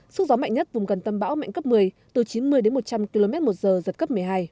sức gió mạnh nhất vùng gần tâm bão mạnh cấp một mươi từ chín mươi đến một trăm linh km một giờ giật cấp một mươi hai